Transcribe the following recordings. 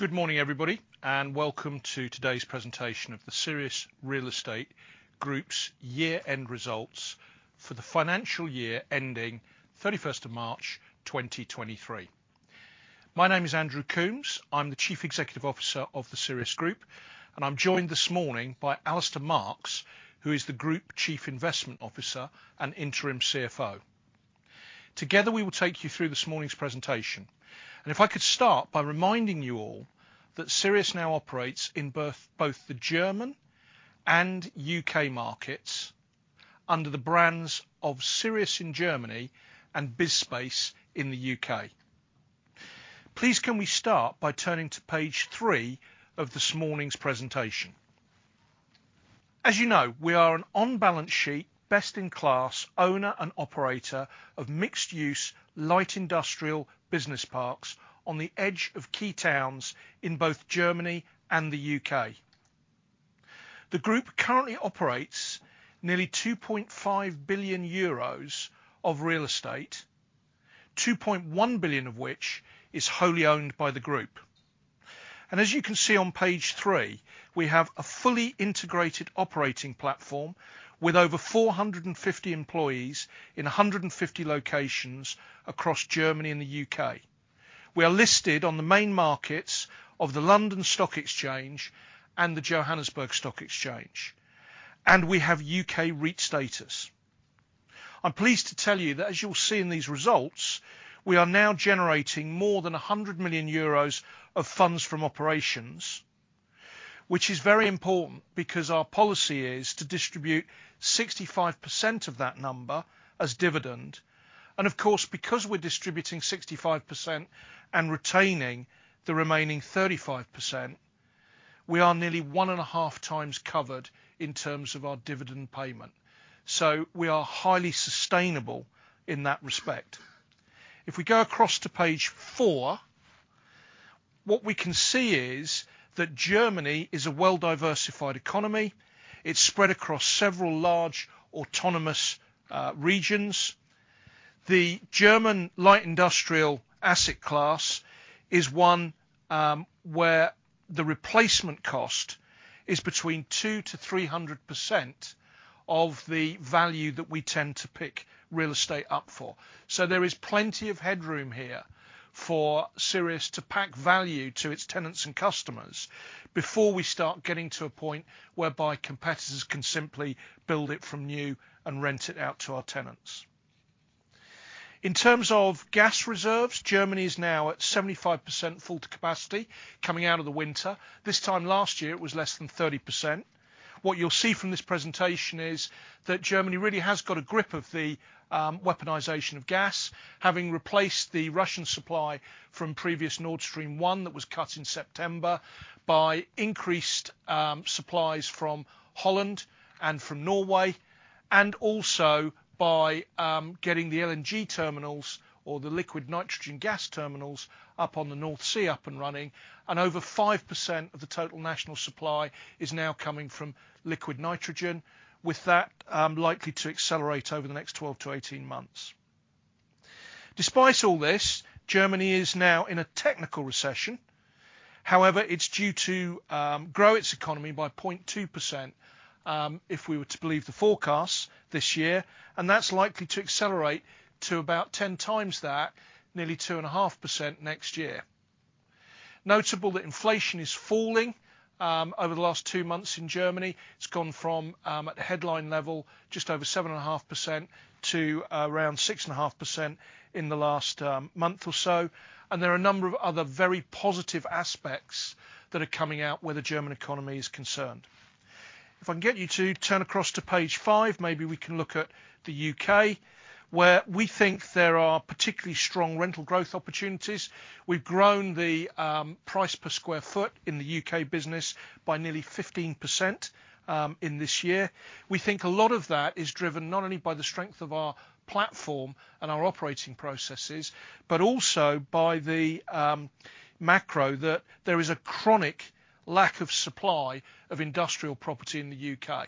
Good morning, everybody, welcome to today's presentation of the Sirius Real Estate Group's year-end results for the financial year ending 31st of March, 2023. My name is Andrew Coombs. I'm the Chief Executive Officer of the Sirius Group, I'm joined this morning by Alistair Marks, who is the Group Chief Investment Officer and Interim CFO. Together, we will take you through this morning's presentation, if I could start by reminding you all that Sirius now operates in both the German and U.K. markets under the brands of Sirius in Germany and BizSpace in the U.K. Please, can we start by turning to page three of this morning's presentation? As you know, we are an on-balance sheet, best-in-class owner and operator of mixed-use, light industrial business parks on the edge of key towns in both Germany and the U.K. The group currently operates nearly 2.5 billion euros of real estate, 2.1 billion of which is wholly owned by the group. As you can see on page three, we have a fully integrated operating platform with over 450 employees in 150 locations across Germany and the U.K. We are listed on the main markets of the London Stock Exchange and the Johannesburg Stock Exchange. We have U.K. REIT status. I'm pleased to tell you that as you'll see in these results, we are now generating more than 100 million euros of funds from operations, which is very important because our policy is to distribute 65% of that number as dividend. Because we're distributing 65% and retaining the remaining 35%, we are nearly 1/2 times covered in terms of our dividend payment. We are highly sustainable in that respect. If we go across to page four, what we can see is that Germany is a well-diversified economy. It's spread across several large autonomous regions. The German light industrial asset class is one where the replacement cost is between 200%-300% of the value that we tend to pick real estate up for. There is plenty of headroom here for Sirius to pack value to its tenants and customers before we start getting to a point whereby competitors can simply build it from new and rent it out to our tenants. In terms of gas reserves, Germany is now at 75% full to capacity coming out of the winter. This time last year, it was less than 30%. What you'll see from this presentation is that Germany really has got a grip of the weaponization of gas, having replaced the Russian supply from previous Nord Stream 1, that was cut in September, by increased supplies from Holland and from Norway, and also by getting the LNG terminals or the liquefied natural gas terminals up on the North Sea up and running, and over 5% of the total national supply is now coming from liquid nitrogen, with that likely to accelerate over the next 12 to 18 months. Despite all this, Germany is now in a technical recession. However, it's due to grow its economy by 0.2% if we were to believe the forecasts this year, and that's likely to accelerate to about 10 times that, nearly 2.5% next year. Notable that inflation is falling over the last two months in Germany. It's gone from at the headline level, just over 7.5%, to around 6.5% in the last month or so. There are a number of other very positive aspects that are coming out where the German economy is concerned. If I can get you to turn across to page five, maybe we can look at the U.K., where we think there are particularly strong rental growth opportunities. We've grown the price per square foot in the U.K. business by nearly 15% in this year. We think a lot of that is driven not only by the strength of our platform and our operating processes, but also by the macro, that there is a chronic lack of supply of industrial property in the U.K.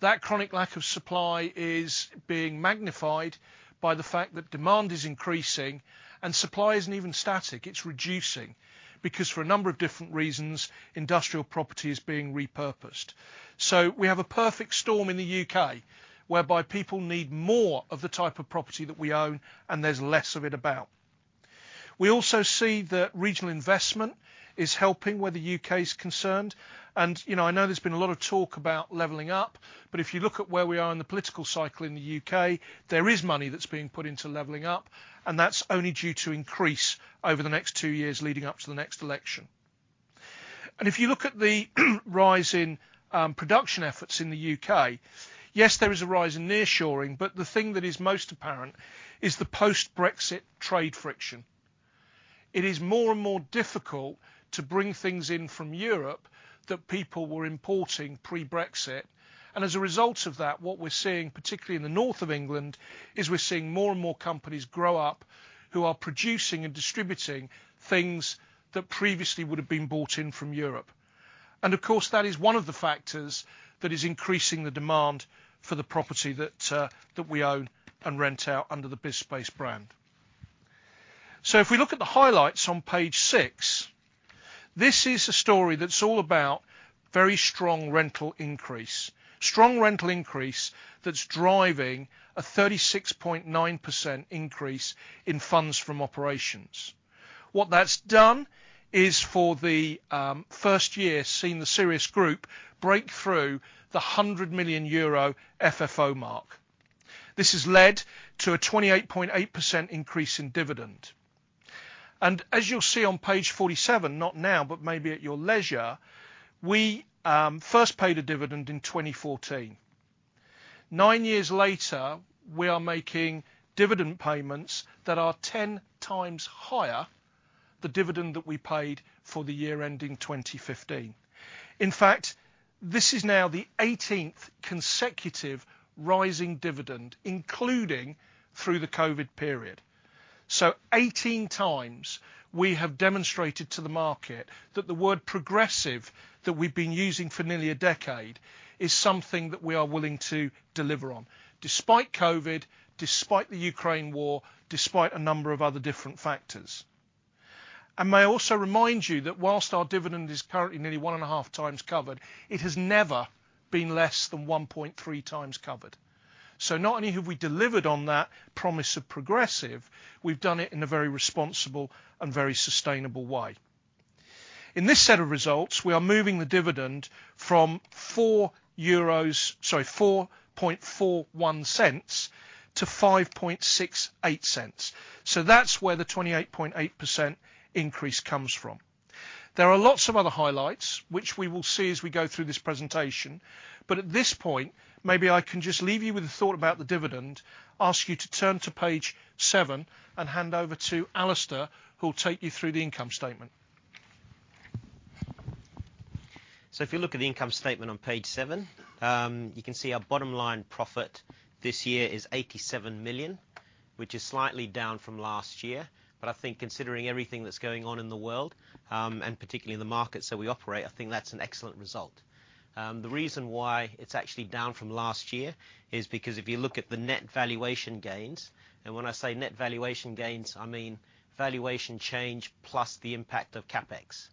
That chronic lack of supply is being magnified by the fact that demand is increasing and supply isn't even static, it's reducing, because for a number of different reasons, industrial property is being repurposed. We have a perfect storm in the U.K., whereby people need more of the type of property that we own, and there's less of it about. We also see that regional investment is helping where the U.K. is concerned. You know, I know there's been a lot of talk about leveling up, but if you look at where we are in the political cycle in the U.K., there is money that's being put into leveling up, and that's only due to increase over the next two years leading up to the next election. If you look at the rise in production efforts in the U.K., yes, there is a rise in nearshoring, but the thing that is most apparent is the post-Brexit trade friction. It is more and more difficult to bring things in from Europe that people were importing pre-Brexit. As a result of that, what we're seeing, particularly in the North of England, is we're seeing more and more companies grow up who are producing and distributing things that previously would have been bought in from Europe. Of course, that is one of the factors that is increasing the demand for the property that we own and rent out under the BizSpace brand. If we look at the highlights on page six, this is a story that's all about very strong rental increase. Strong rental increase that's driving a 36.9% increase in funds from operations. What that's done is, for the first year, seen the Sirius Group break through the 100 million euro FFO mark. This has led to a 28.8% increase in dividend. As you'll see on page 47, not now, but maybe at your leisure, we first paid a dividend in 2014. Nine years later, we are making dividend payments that are 10 times higher, the dividend that we paid for the year ending 2015. In fact, this is now the 18th consecutive rising dividend, including through the COVID period. 18 times we have demonstrated to the market that the word progressive, that we've been using for nearly a decade, is something that we are willing to deliver on despite COVID, despite the Ukraine war, despite a number of other different factors. I may also remind you that whilst our dividend is currently nearly 1.5 times covered, it has never been less than 1.3 times covered. Not only have we delivered on that promise of progressive, we've done it in a very responsible and very sustainable way. In this set of results, we are moving the dividend from 4 euros... Sorry, 0.0441-0.0568. That's where the 28.8% increase comes from. There are lots of other highlights, which we will see as we go through this presentation. At this point, maybe I can just leave you with a thought about the dividend, ask you to turn to page seven, and hand over to Alistair, who will take you through the income statement. If you look at the income statement on page seven, you can see our bottom line profit this year is 87 million, which is slightly down from last year. I think considering everything that's going on in the world, and particularly in the markets that we operate, I think that's an excellent result. The reason why it's actually down from last year is because if you look at the net valuation gains, and when I say net valuation gains, I mean valuation change plus the impact of CapEx.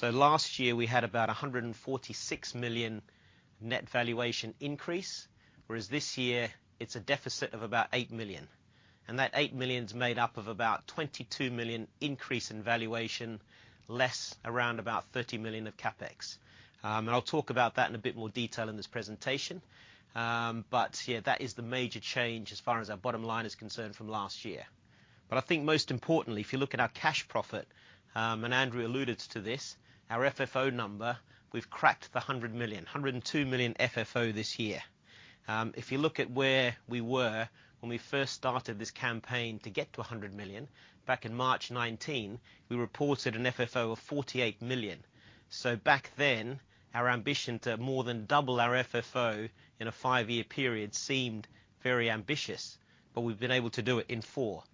Last year we had about 146 million net valuation increase, whereas this year it's a deficit of about 8 million. That 8 million is made up of about 22 million increase in valuation, less around about 30 million of CapEx. And I'll talk about that in a bit more detail in this presentation. Yeah, that is the major change as far as our bottom line is concerned from last year. I think most importantly, if you look at our cash profit, and Andrew alluded to this, our FFO number, we've cracked the 100 million, 102 million FFO this year. If you look at where we were when we first started this campaign to get to 100 million, back in March 2019, we reported an FFO of 48 million. Back then, our ambition to more than double our FFO in a five-year period seemed very ambitious, but we've been able to do it in four.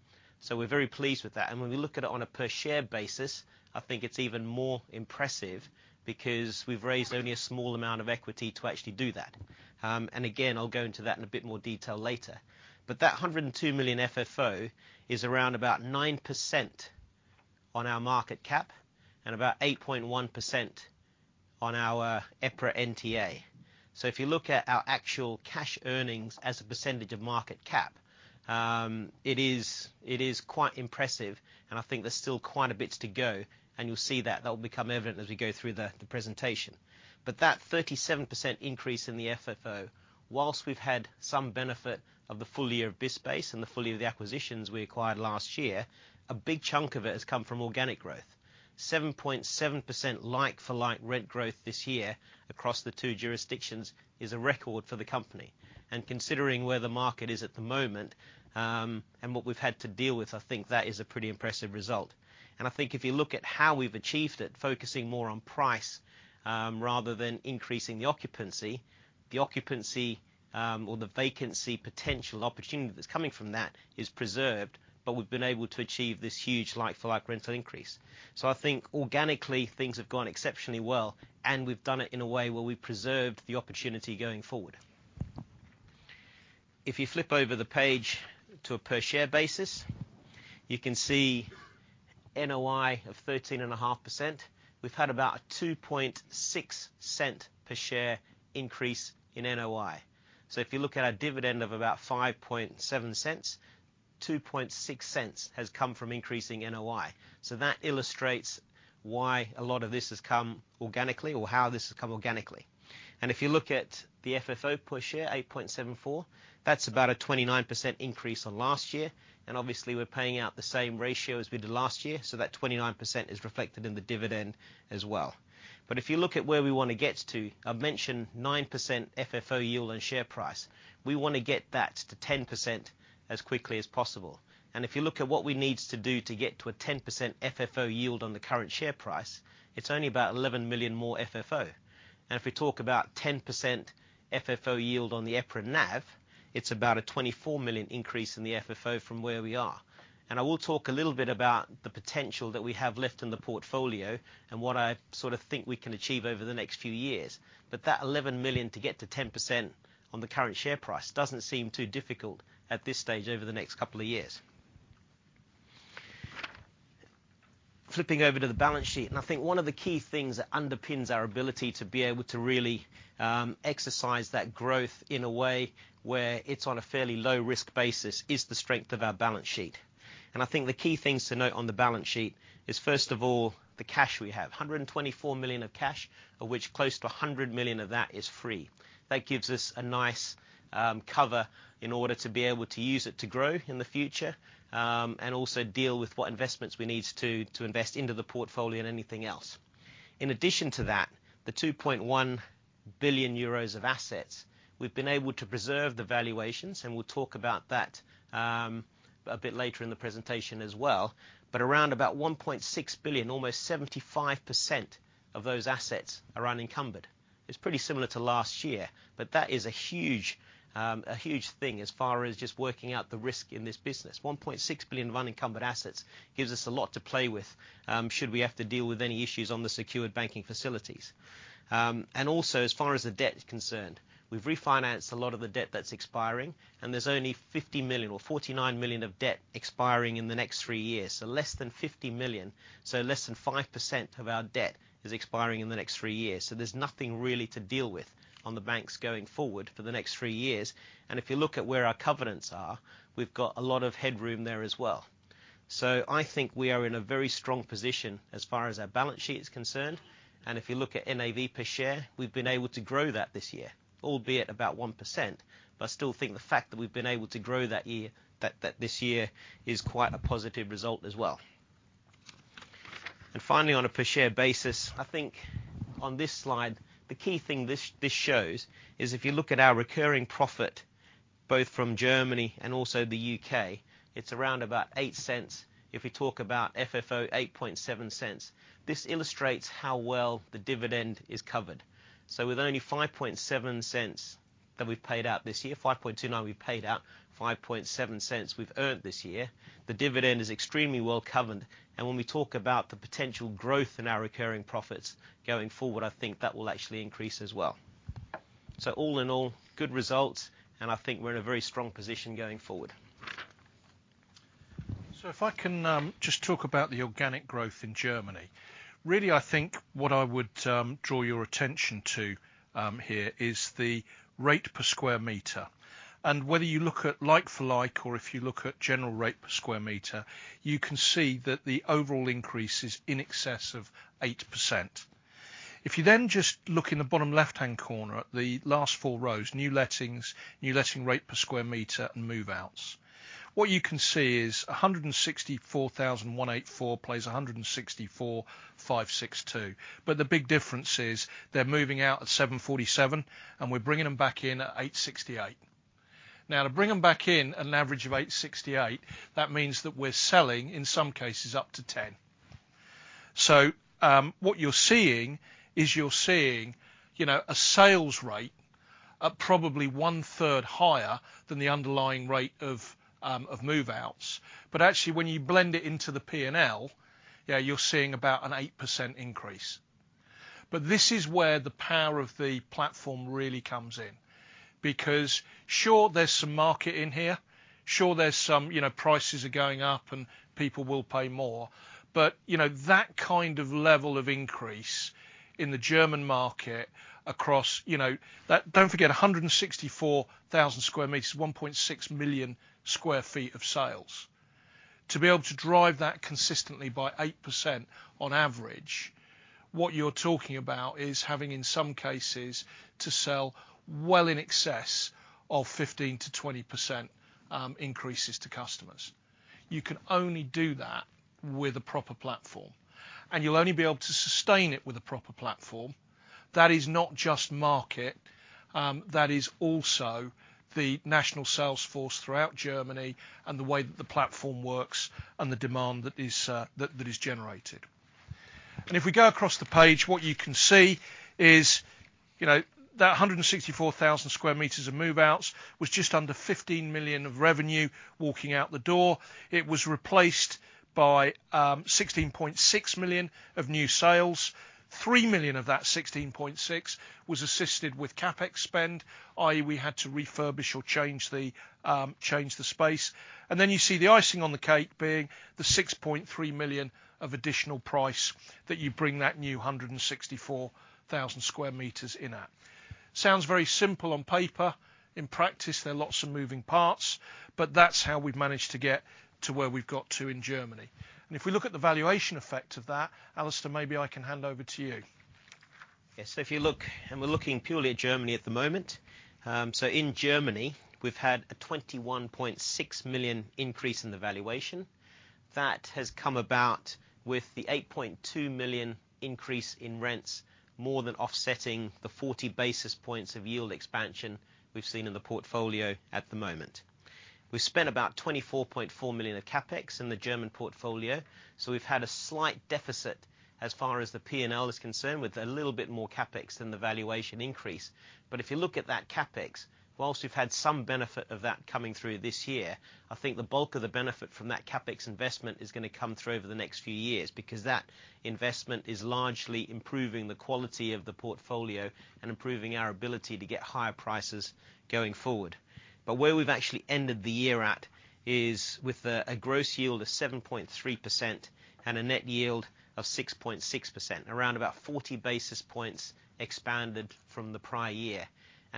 We're very pleased with that. When we look at it on a per share basis, I think it's even more impressive because we've raised only a small amount of equity to actually do that. Again, I'll go into that in a bit more detail later. That 102 million FFO is around about 9% on our market cap and about 8.1% on our EPRA NTA. If you look at our actual cash earnings as a percentage of market cap, it is quite impressive, and I think there's still quite a bit to go, and you'll see that. That will become evident as we go through the presentation. That 37% increase in the FFO, whilst we've had some benefit of the full year of BizSpace and the full year of the acquisitions we acquired last year, a big chunk of it has come from organic growth. 7.7% like-for-like rent growth this year across the two jurisdictions is a record for the company. Considering where the market is at the moment, and what we've had to deal with, I think that is a pretty impressive result. I think if you look at how we've achieved it, focusing more on price, rather than increasing the occupancy, or the vacancy potential opportunity that's coming from that is preserved, but we've been able to achieve this huge like-for-like rental increase. I think organically, things have gone exceptionally well, and we've done it in a way where we preserved the opportunity going forward. If you flip over the page to a per share basis, you can see NOI of 13.5%. We've had about a 0.026 per share increase in NOI. If you look at our dividend of about 0.057, 0.026 has come from increasing NOI. That illustrates why a lot of this has come organically or how this has come organically. If you look at the FFO per share, 0.0874, that's about a 29% increase on last year. Obviously, we're paying out the same ratio as we did last year. That 29% is reflected in the dividend as well. If you look at where we want to get to, I mentioned 9% FFO yield on share price. We wanna get that to 10% as quickly as possible. If you look at what we need to do to get to a 10% FFO yield on the current share price, it's only about 11 million more FFO. If we talk about 10% FFO yield on the EPRA NAV, it's about a 24 million increase in the FFO from where we are. I will talk a little bit about the potential that we have left in the portfolio, and what I sort of think we can achieve over the next few years. That 11 million to get to 10% on the current share price doesn't seem too difficult at this stage, over the next couple of years. Flipping over to the balance sheet, I think one of the key things that underpins our ability to be able to really exercise that growth in a way where it's on a fairly low risk basis, is the strength of our balance sheet. I think the key things to note on the balance sheet is, first of all, the cash we have. 124 million of cash, of which close to 100 million of that is free. That gives us a nice cover in order to be able to use it to grow in the future, and also deal with what investments we need to invest into the portfolio and anything else. In addition to that, the 2.1 billion euros of assets, we've been able to preserve the valuations. We'll talk about that a bit later in the presentation as well. Around about 1.6 billion, almost 75% of those assets, are unencumbered. It's pretty similar to last year. That is a huge thing as far as just working out the risk in this business. 1.6 billion of unencumbered assets gives us a lot to play with, should we have to deal with any issues on the secured banking facilities. Also, as far as the debt is concerned, we've refinanced a lot of the debt that's expiring, and there's only 50 million or 49 million of debt expiring in the next three years. Less than 50 million, less than 5% of our debt is expiring in the next three years. There's nothing really to deal with on the banks going forward for the next three years. If you look at where our covenants are, we've got a lot of headroom there as well. I think we are in a very strong position as far as our balance sheet is concerned, and if you look at NAV per share, we've been able to grow that this year, albeit about 1%. I still think the fact that we've been able to grow that this year, is quite a positive result as well. Finally, on a per share basis, I think on this slide, the key thing this shows, is if you look at our recurring profit, both from Germany and also the U.K., it's around about 0.08. If we talk about FFO, 0.087. This illustrates how well the dividend is covered. With only 0.057 that we've paid out this year, 0.0529, we've paid out, 0.057 we've earned this year, the dividend is extremely well covered. When we talk about the potential growth in our recurring profits going forward, I think that will actually increase as well. All in all, good results, and I think we're in a very strong position going forward. If I can just talk about the organic growth in Germany. Really, I think what I would draw your attention to here, is the rate per square meter. Whether you look at like-for-like, or if you look at general rate per square meter, you can see that the overall increase is in excess of 8%. If you just look in the bottom left-hand corner at the last four rows, new lettings, new letting rate per square meter, and move-outs. What you can see is 164,184 + 164,562. The big difference is they're moving out at 7.47, and we're bringing them back in at 8.68. To bring them back in at an average of 8.68, that means that we're selling, in some cases, up to 10. What you're seeing is, you know, a sales rate at probably 1/3 higher than the underlying rate of move-outs. Actually, when you blend it into the P&L, yeah, you're seeing about an 8% increase. This is where the power of the platform really comes in, because sure, there's some market in here, sure, there's some. You know, prices are going up and people will pay more, but, you know, that kind of level of increase in the German market across, you know, that. Don't forget, 164,000 sq m, 1.6 million sq ft of sales. To be able to drive that consistently by 8% on average, what you're talking about is having, in some cases, to sell well in excess of 15%-20% increases to customers. You can only do that with a proper platform, and you'll only be able to sustain it with a proper platform. That is not just market, that is also the national sales force throughout Germany, and the way that the platform works, and the demand that is generated. If we go across the page, what you can see is, you know, that 164,000 sq m of move-outs was just under 15 million of revenue walking out the door. It was replaced by 16.6 million of new sales. 3 million of that 16.6 was assisted with CapEx spend, i.e., we had to refurbish or change the change the space. Then you see the icing on the cake being the 6.3 million of additional price that you bring that new 164,000 sq m in at. Sounds very simple on paper. In practice, there are lots of moving parts, that's how we've managed to get to where we've got to in Germany. If we look at the valuation effect of that, Alistair, maybe I can hand over to you. Yes, if you look, and we're looking purely at Germany at the moment. In Germany, we've had a 21.6 million increase in the valuation. That has come about with the 8.2 million increase in rents, more than offsetting the 40 basis points of yield expansion we've seen in the portfolio at the moment. We've spent about 24.4 million of CapEx in the German portfolio, so we've had a slight deficit as far as the P&L is concerned, with a little bit more CapEx than the valuation increase. If you look at that CapEx, whilst we've had some benefit of that coming through this year, I think the bulk of the benefit from that CapEx investment is gonna come through over the next few years, because that investment is largely improving the quality of the portfolio and improving our ability to get higher prices going forward. Where we've actually ended the year at is with a gross yield of 7.3% and a net yield of 6.6%, around about 40 basis points expanded from the prior year.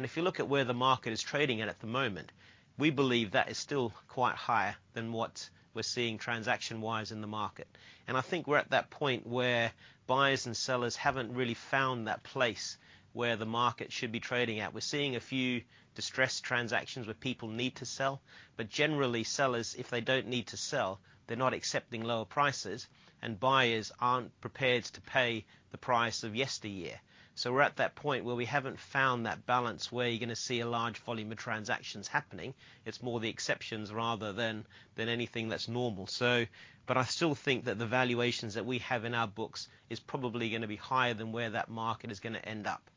If you look at where the market is trading at the moment, we believe that is still quite higher than what we're seeing transaction-wise in the market. I think we're at that point where buyers and sellers haven't really found that place where the market should be trading at. We're seeing a few distressed transactions where people need to sell. Generally, sellers, if they don't need to sell, they're not accepting lower prices, and buyers aren't prepared to pay the price of yesteryear. We're at that point where we haven't found that balance, where you're gonna see a large volume of transactions happening. It's more the exceptions rather than anything that's normal. I still think that the valuations that we have in our books is probably gonna be higher than where that market is gonna end up.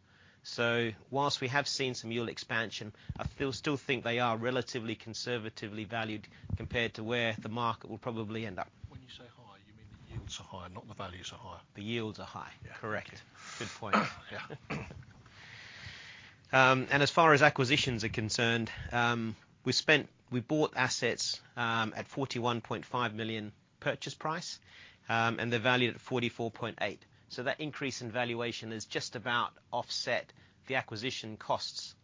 Whilst we have seen some yield expansion, I feel still think they are relatively conservatively valued compared to where the market will probably end up. When you say high, you mean the yields are high, not the values are high? The yields are high. Yeah. Correct. Good point. Yeah. As far as acquisitions are concerned, we bought assets at 41.5 million purchase price, and they're valued at 44.8. That increase in valuation has just about offset the acquisition costs.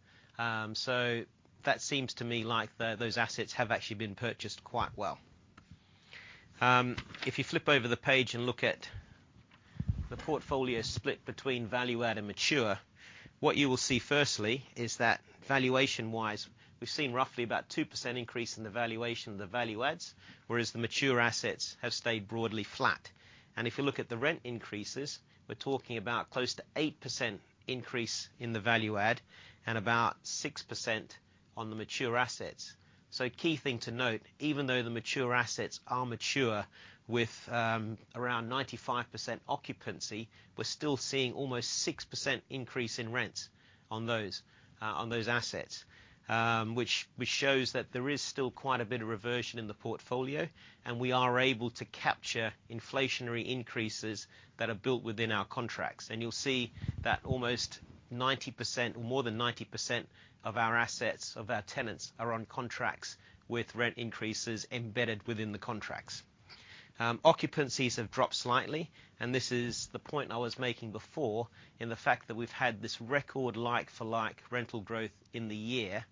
That seems to me like those assets have actually been purchased quite well. If you flip over the page and look at the portfolio split between value add and mature, what you will see firstly is that valuation-wise, we've seen roughly about 2% increase in the valuation of the value adds, whereas the mature assets have stayed broadly flat. If you look at the rent increases, we're talking about close to 8% increase in the value add and about 6% on the mature assets. Key thing to note, even though the mature assets are mature with around 95% occupancy, we're still seeing almost 6% increase in rents on those assets. which shows that there is still quite a bit of reversion in the portfolio, and we are able to capture inflationary increases that are built within our contracts. You'll see that almost 90%, more than 90% of our assets, of our tenants, are on contracts with rent increases embedded within the contracts. Occupancies have dropped slightly, and this is the point I was making before, in the fact that we've had this record like-for-like rental growth in the year.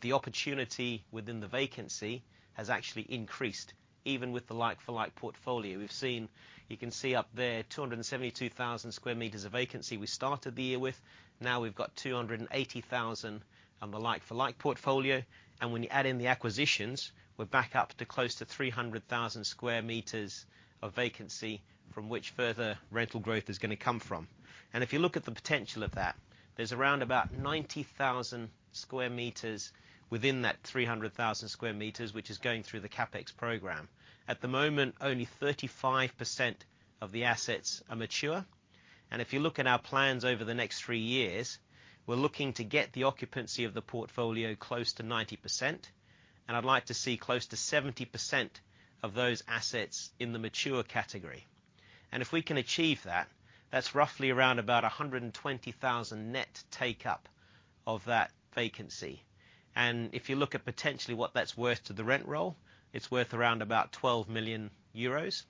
The opportunity within the vacancy has actually increased, even with the like-for-like portfolio. You can see up there, 272,000 sq m of vacancy we started the year with. Now, we've got 280,000 on the like-for-like portfolio, and when you add in the acquisitions, we're back up to close to 300,000 sq m of vacancy, from which further rental growth is gonna come from. If you look at the potential of that, there's around about 90,000 sq m within that 300,000 sq m, which is going through the CapEx program. At the moment, only 35% of the assets are mature. If you look at our plans over the next three years, we're looking to get the occupancy of the portfolio close to 90%, and I'd like to see close to 70% of those assets in the mature category. If we can achieve that's roughly around about 120,000 net take-up of that vacancy. If you look at potentially what that's worth to the rent roll, it's worth around about 12 million euros.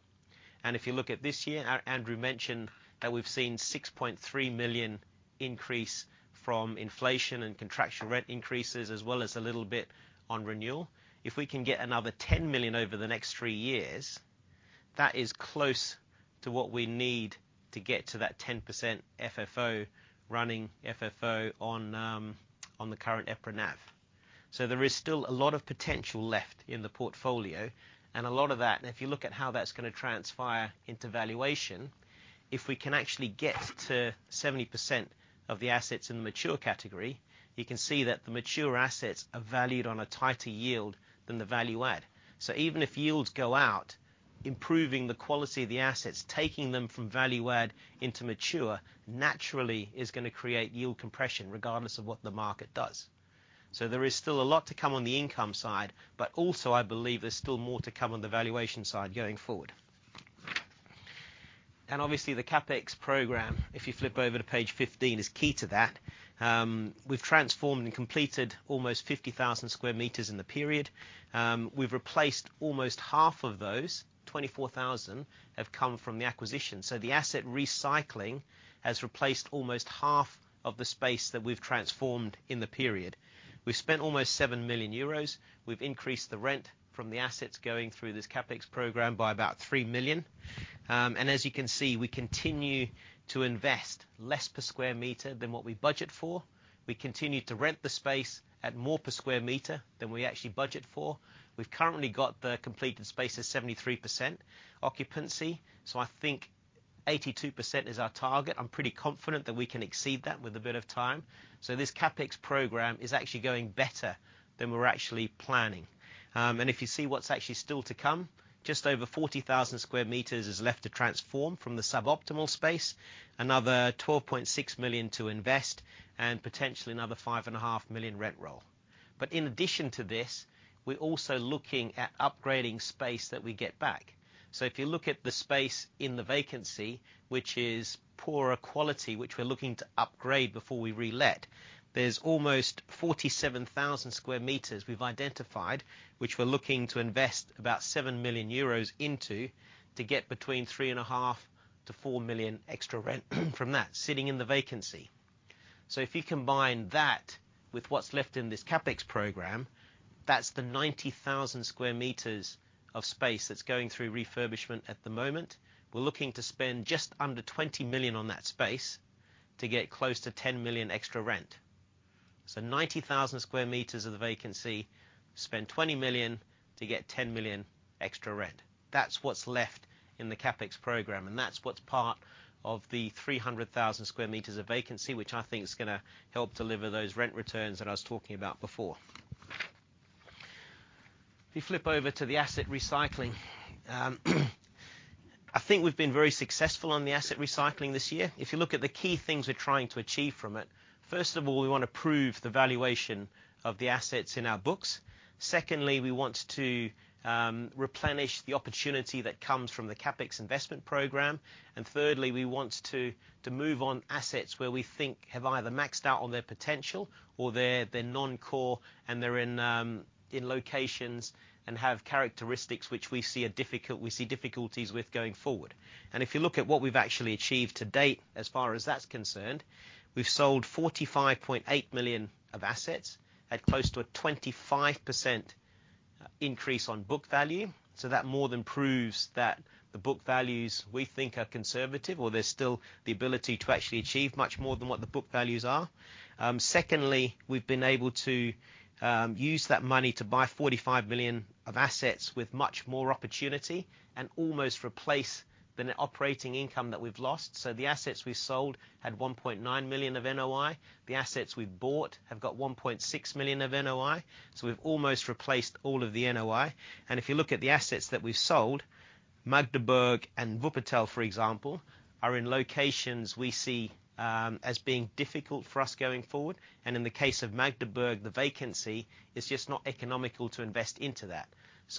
If you look at this year, Andrew mentioned that we've seen 6.3 million increase from inflation and contractual rent increases, as well as a little bit on renewal. If we can get another 10 million over the next three years, that is close to what we need to get to that 10% FFO, running FFO on the current EPRA NAV. There is still a lot of potential left in the portfolio, and a lot of that, and if you look at how that's gonna transpire into valuation, if we can actually get to 70% of the assets in the mature category, you can see that the mature assets are valued on a tighter yield than the value add. Even if yields go out, improving the quality of the assets, taking them from value add into mature, naturally is gonna create yield compression, regardless of what the market does. There is still a lot to come on the income side, but also, I believe there's still more to come on the valuation side going forward. Obviously, the CapEx program, if you flip over to page 15, is key to that. We've transformed and completed almost 50,000 sq m in the period. We've replaced almost half of those. 24,000 have come from the acquisition, so the asset recycling has replaced almost half of the space that we've transformed in the period. We've spent almost 7 million euros. We've increased the rent from the assets going through this CapEx program by about 3 million. As you can see, we continue to invest less per square meter than what we budget for. We continue to rent the space at more per square meter than we actually budget for. We've currently got the completed spaces, 73% occupancy. 82% is our target. I'm pretty confident that we can exceed that with a bit of time. This CapEx program is actually going better than we're actually planning. If you see what's actually still to come, just over 40,000 sq m is left to transform from the suboptimal space, another 12.6 million to invest, and potentially another 5.5 million rent roll. In addition to this, we're also looking at upgrading space that we get back. If you look at the space in the vacancy, which is poorer quality, which we're looking to upgrade before we relet, there's almost 47,000 sq m we've identified, which we're looking to invest about 7 million euros into, to get between 3.5 million-4 million extra rent from that sitting in the vacancy. If you combine that with what's left in this CapEx program, that's the 90,000 sq m of space that's going through refurbishment at the moment. We're looking to spend just under 20 million on that space to get close to 10 million extra rent. 90,000 sq m of the vacancy, spend 20 million to get 10 million extra rent. That's what's left in the CapEx program, that's what's part of the 300,000 sq m of vacancy, which I think is gonna help deliver those rent returns that I was talking about before. If you flip over to the asset recycling, I think we've been very successful on the asset recycling this year. If you look at the key things we're trying to achieve from it, first of all, we want to prove the valuation of the assets in our books. Secondly, we want to replenish the opportunity that comes from the CapEx investment program. Thirdly, we want to move on assets where we think have either maxed out on their potential or they're non-core, and they're in locations and have characteristics which we see difficulties with going forward. If you look at what we've actually achieved to date, as far as that's concerned, we've sold 45.8 million of assets at close to a 25% increase on book value, so that more than proves that the book values we think are conservative, or there's still the ability to actually achieve much more than what the book values are. Secondly, we've been able to use that money to buy 45 million of assets with much more opportunity and almost replace the net operating income that we've lost. The assets we sold had 1.9 million of NOI. The assets we've bought have got 1.6 million of NOI. We've almost replaced all of the NOI. If you look at the assets that we've sold, Magdeburg and Wuppertal, for example, are in locations we see as being difficult for us going forward. In the case of Magdeburg, the vacancy is just not economical to invest into that.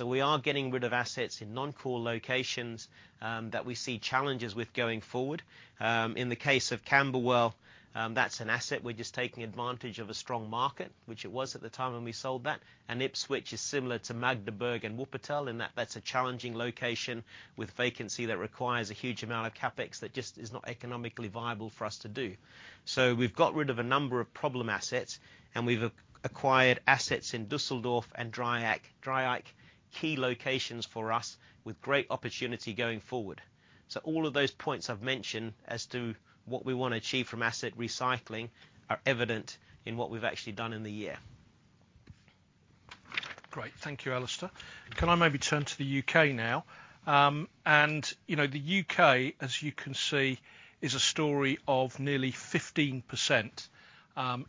We are getting rid of assets in non-core locations that we see challenges with going forward. In the case of Camberwell, that's an asset. We're just taking advantage of a strong market, which it was at the time when we sold that, and Ipswich is similar to Magdeburg and Wuppertal in that that's a challenging location with vacancy that requires a huge amount of CapEx that just is not economically viable for us to do. We've got rid of a number of problem assets, and we've acquired assets in Düsseldorf and Dreieich. Dreieich, key locations for us with great opportunity going forward. All of those points I've mentioned as to what we want to achieve from asset recycling are evident in what we've actually done in the year. Great. Thank you, Alistair. Can I maybe turn to the U.K. now? You know, the U.K., as you can see, is a story of nearly 15%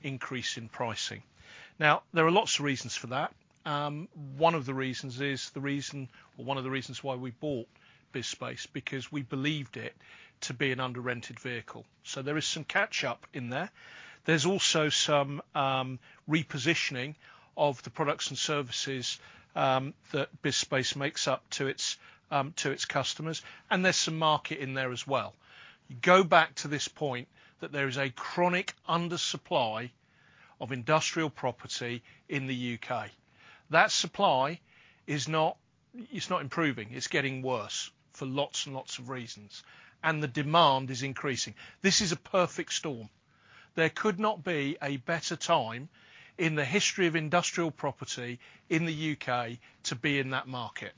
increase in pricing. There are lots of reasons for that. One of the reasons is the reason or one of the reasons why we bought BizSpace, because we believed it to be an under-rented vehicle. There is some catch-up in there. There's also some repositioning of the products and services that BizSpace makes up to its customers, and there's some market in there as well. Go back to this point, that there is a chronic undersupply of industrial property in the U.K. That supply is not improving. It's getting worse for lots of reasons, and the demand is increasing. This is a perfect storm. There could not be a better time in the history of industrial property in the U.K. to be in that market.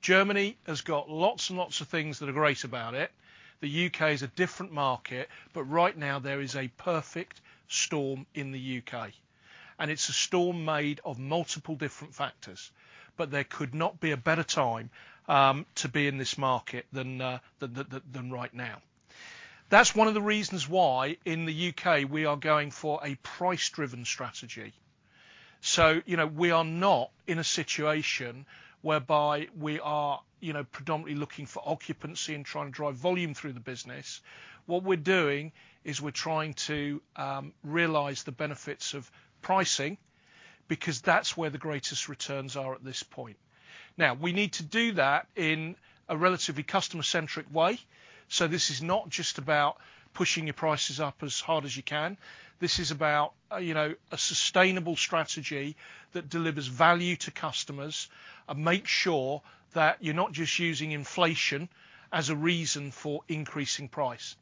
Germany has got lots and lots of things that are great about it. The U.K. is a different market. Right now there is a perfect storm in the U.K., and it's a storm made of multiple different factors. There could not be a better time to be in this market than right now. That's one of the reasons why, in the U.K., we are going for a price-driven strategy. You know, we are not in a situation whereby we are, you know, predominantly looking for occupancy and trying to drive volume through the business. What we're doing is we're trying to realize the benefits of pricing, because that's where the greatest returns are at this point. We need to do that in a relatively customer-centric way, so this is not just about pushing your prices up as hard as you can. This is about, you know, a sustainable strategy that delivers value to customers and makes sure that you're not just using inflation as a reason for increasing price.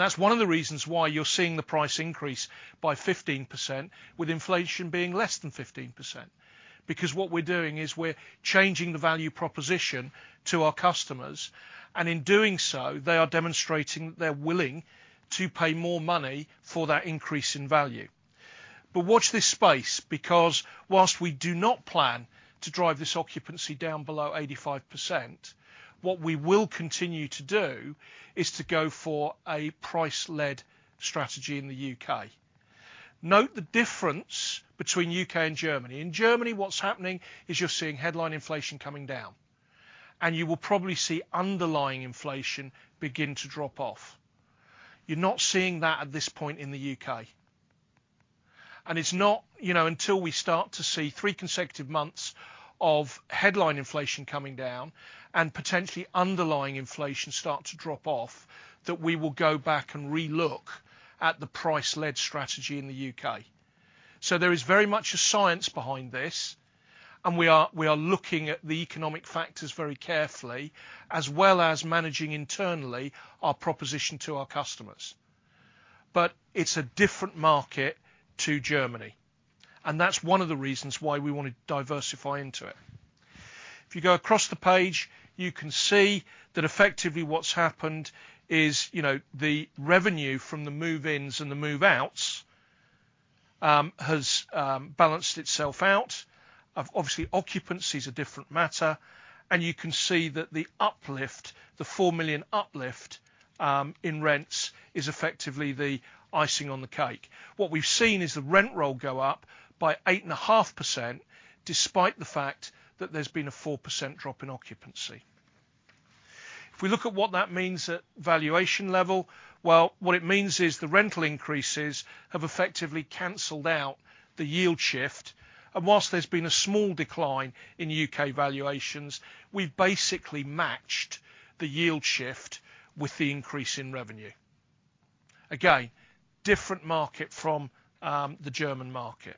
That's one of the reasons why you're seeing the price increase by 15%, with inflation being less than 15%. What we're doing is we're changing the value proposition to our customers, and in doing so, they are demonstrating they're willing to pay more money for that increase in value. Watch this space, because whilst we do not plan to drive this occupancy down below 85%, what we will continue to do is to go for a price-led strategy in the U.K. Note the difference between U.K. and Germany. In Germany, what's happening is you're seeing headline inflation coming down, and you will probably see underlying inflation begin to drop off. It's not, you know, until we start to see three consecutive months of headline inflation coming down and potentially underlying inflation start to drop off, that we will go back and re-look at the price-led strategy in the U.K. There is. very much a science behind this, and we are looking at the economic factors very carefully, as well as managing internally our proposition to our customers. It's a different market to Germany, and that's one of the reasons why we want to diversify into it. If you go across the page, you can see that effectively what's happened is, you know, the revenue from the move-ins and the move-outs has balanced itself out. Obviously, occupancy is a different matter, and you can see that the uplift, the 4 million uplift in rents, is effectively the icing on the cake. What we've seen is the rent roll go up by 8.5%, despite the fact that there's been a 4% drop in occupancy. If we look at what that means at valuation level, well, what it means is the rental increases have effectively canceled out the yield shift. Whilst there's been a small decline in U.K. valuations, we've basically matched the yield shift with the increase in revenue. Different market from the German market.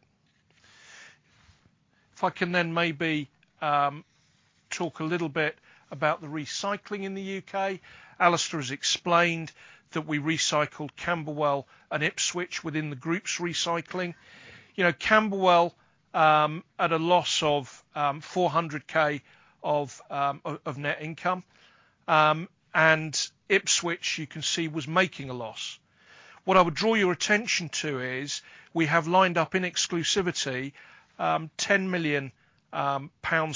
If I can then maybe, talk a little bit about the recycling in the U.K. Alistair has explained that we recycled Camberwell and Ipswich within the group's recycling. You know, Camberwell, at a loss of, 400k of net income, and Ipswich, you can see, was making a loss. What I would draw your attention to is, we have lined up in exclusivity, 10 million pounds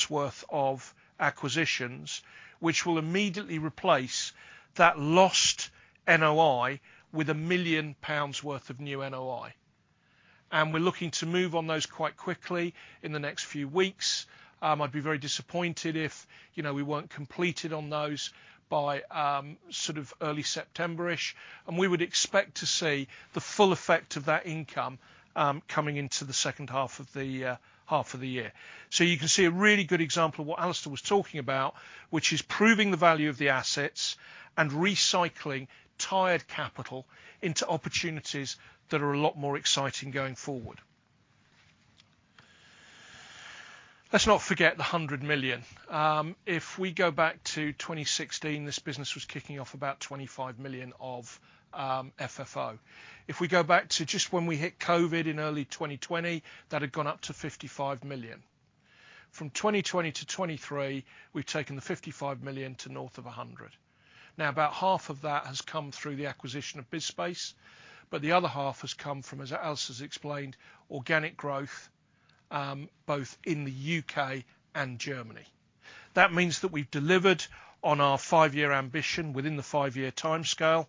worth of acquisitions, which will immediately replace that lost NOI with 1 million pounds worth of new NOI. We're looking to move on those quite quickly in the next few weeks. I'd be very disappointed if, you know, we weren't completed on those by sort of early September-ish, and we would expect to see the full effect of that income coming into the second half of the year. You can see a really good example of what Alistair was talking about, which is proving the value of the assets and recycling tired capital into opportunities that are a lot more exciting going forward. Let's not forget the 100 million. If we go back to 2016, this business was kicking off about 25 million of FFO. If we go back to just when we hit COVID in early 2020, that had gone up to 55 million. From 2020 to 2023, we've taken the 55 million to north of 100 million. Now, about half of that has come through the acquisition of BizSpace, but the other half has come from, as Alistair has explained, organic growth, both in the U.K. and Germany. That means that we've delivered on our 5-year ambition within the 5-year timescale,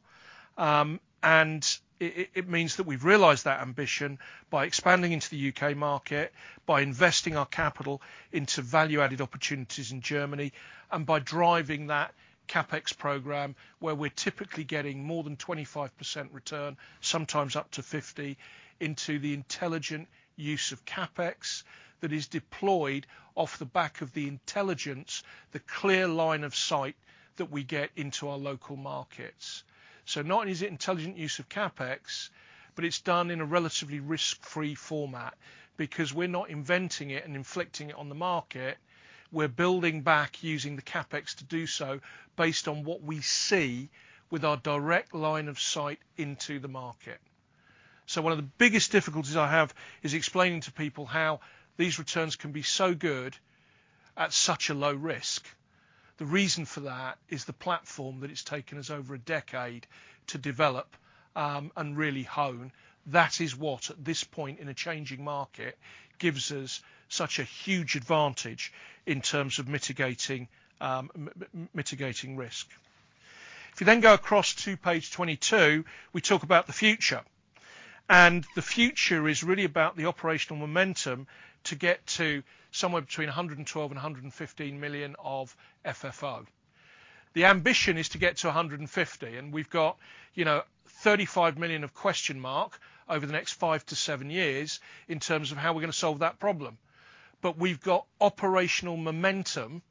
and it means that we've realized that ambition by expanding into the U.K. market, by investing our capital into value-added opportunities in Germany, and by driving that CapEx program, where we're typically getting more than 25% return, sometimes up to 50%, into the intelligent use of CapEx that is deployed off the back of the intelligence, the clear line of sight that we get into our local markets. Not only is it intelligent use of CapEx, but it's done in a relatively risk-free format because we're not inventing it and inflicting it on the market. We're building back using the CapEx to do so, based on what we see with our direct line of sight into the market. One of the biggest difficulties I have is explaining to people how these returns can be so good at such a low risk. The reason for that is the platform that it's taken us over a decade to develop and really hone. That is what, at this point in a changing market, gives us such a huge advantage in terms of mitigating risk. If you then go across to page 22, we talk about the future. The future is really about the operational momentum to get to somewhere between 112 million and 115 million of FFO. The ambition is to get to 150. We've got, you know, 35 million of question mark over the next five to seven years in terms of how we're going to solve that problem. We've got operational momentum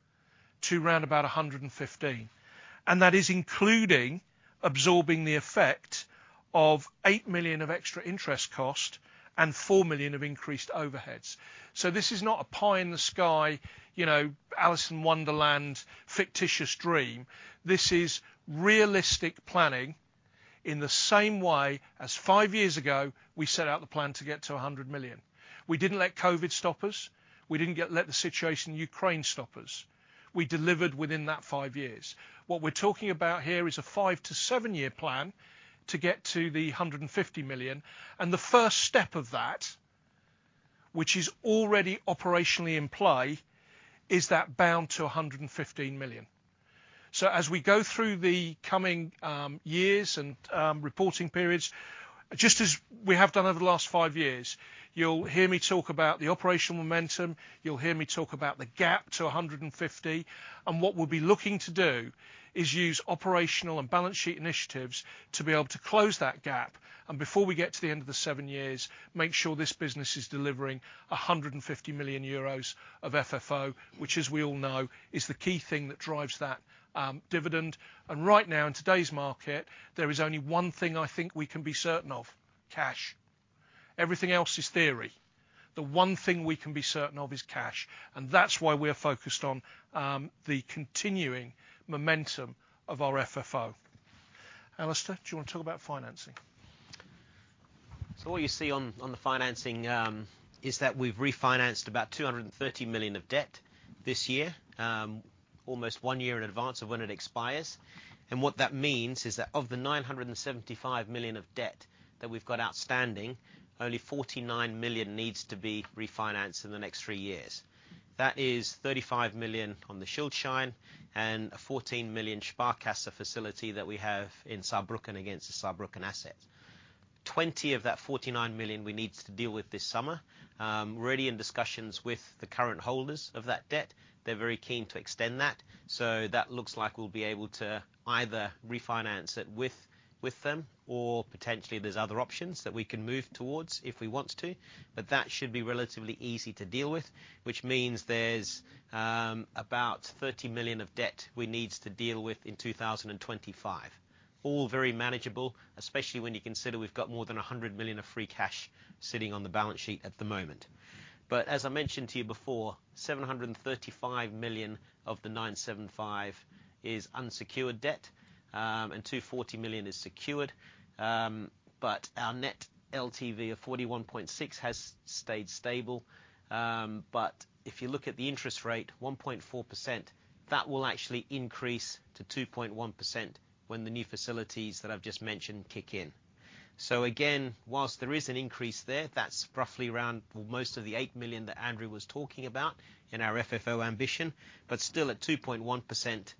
to round about 115, and that is including absorbing the effect of 8 million of extra interest cost and 4 million of increased overheads. This is not a pie in the sky, you know, Alice in Wonderland fictitious dream. This is realistic planning in the same way as five years ago, we set out the plan to get to 100 million. We didn't let COVID stop us. We didn't let the situation in Ukraine stop us. We delivered within that five years. What we're talking about here is a five to seven-year plan to get to the 150 million, and the first step of that, which is already operationally in play, is that bound to 115 million. As we go through the coming years and reporting periods, just as we have done over the last five years, you'll hear me talk about the operational momentum, you'll hear me talk about the gap to 150. What we'll be looking to do is use operational and balance sheet initiatives to be able to close that gap, and before we get to the end of the seven years, make sure this business is delivering 150 million euros of FFO, which, as we all know, is the key thing that drives that dividend. Right now, in today's market, there is only one thing I think we can be certain of, cash. Everything else is theory. The one thing we can be certain of is cash, and that's why we are focused on the continuing momentum of our FFO. Alistair, do you want to talk about financing? What you see on the financing, is that we've refinanced about 230 million of debt this year, almost one year in advance of when it expires. What that means is that of the 975 million of debt that we've got outstanding, only 49 million needs to be refinanced in the next three years. That is 35 million on the Schuldschein and a 14 million Sparkasse facility that we have in Saarbrücken against the Saarbrücken asset. 20 million of that 49 million, we need to deal with this summer. We're already in discussions with the current holders of that debt. They're very keen to extend that, so that looks like we'll be able to either refinance it with them, or potentially there's other options that we can move towards if we want to. That should be relatively easy to deal with, which means there's about 30 million of debt we need to deal with in 2025. All very manageable, especially when you consider we've got more than 100 million of free cash sitting on the balance sheet at the moment. As I mentioned to you before, 735 million of the 975 million is unsecured debt, and 240 million is secured. Our net LTV of 41.6 has stayed stable. If you look at the interest rate, 1.4%, that will actually increase to 2.1% when the new facilities that I've just mentioned kick in. Again, whilst there is an increase there, that's roughly around most of the 8 million that Andrew was talking about in our FFO ambition, but still at 2.1%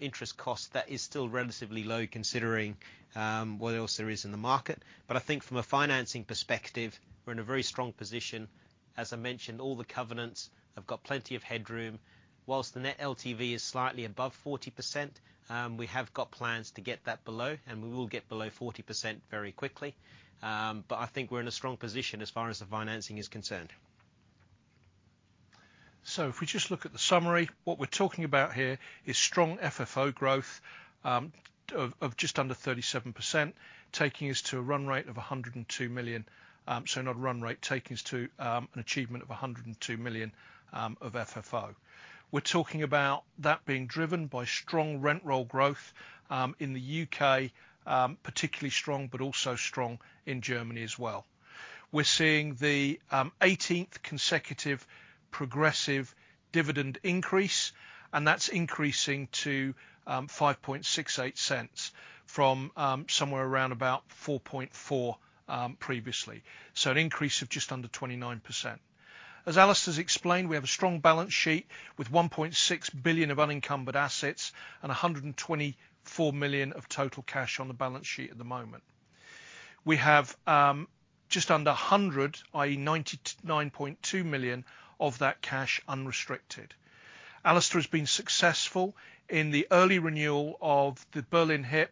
interest cost, that is still relatively low, considering what else there is in the market. I think from a financing perspective, we're in a very strong position. As I mentioned, all the covenants have got plenty of headroom. Whilst the net LTV is slightly above 40%, we have got plans to get that below, and we will get below 40% very quickly. I think we're in a strong position as far as the financing is concerned. If we just look at the summary, what we're talking about here is strong FFO growth, of just under 37%, taking us to a run rate of 102 million. Not run rate, taking us to an achievement of 102 million of FFO. We're talking about that being driven by strong rent roll growth, in the U.K., particularly strong, but also strong in Germany as well. We're seeing the 18th consecutive progressive dividend increase, and that's increasing to 0.0568 from somewhere around about 0.044 previously. An increase of just under 29%. As Alistair has explained, we have a strong balance sheet with 1.6 billion of unencumbered assets and 124 million of total cash on the balance sheet at the moment. We have just under 100, i.e., 99.2 million of that cash unrestricted. Alistair has been successful in the early renewal of the Berlin Hyp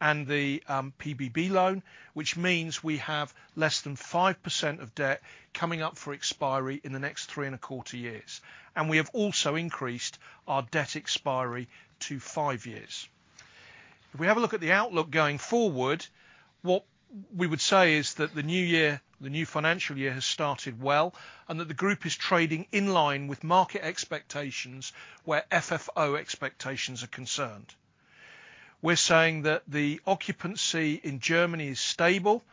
and the PBB loan, which means we have less than 5% of debt coming up for expiry in the next three and a quarter years. We have also increased our debt expiry to five years. If we have a look at the outlook going forward, what we would say is that the new year, the new financial year, has started well, and that the group is trading in line with market expectations where FFO expectations are concerned. We're saying that the occupancy in Germany is stable